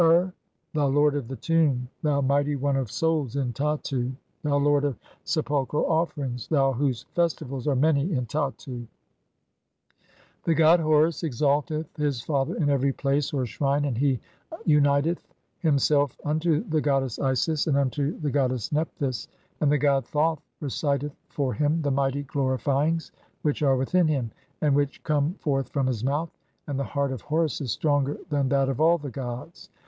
207 "ur, thou lord of the tomb, thou mighty one of souls in Tattu, "thou lord of [sepulchral] offerings, thou whose festivals are many "in Tattu. (3) The god Horus exalteth his father in every place u (or shrine), and he uniteth [himself] unto the goddess Isis and "unto the goddess Nephthys; and the god Thoth reciteth for him "the mighty glorifyings which are within him, [and which] come "forth from his mouth, and the heart of Horus is stronger than "that of all the gods.